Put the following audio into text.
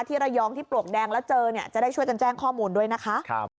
ระยองที่ปลวกแดงแล้วเจอเนี่ยจะได้ช่วยกันแจ้งข้อมูลด้วยนะคะ